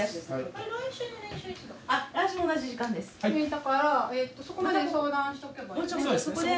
だからそこまでに相談しとけば。